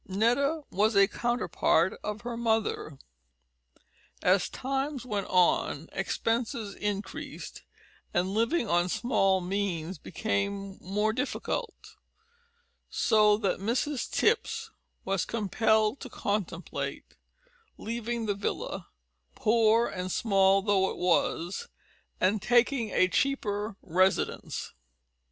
Netta was a counterpart of her mother. As time went on expenses increased, and living on small means became more difficult, so that Mrs Tipps was compelled to contemplate leaving the villa, poor and small though it was, and taking a cheaper residence.